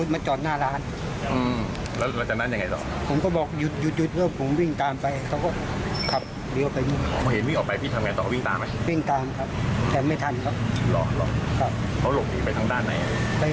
ไม่กลัวไหมครับที่วิ่งไปไม่กลัวหรอ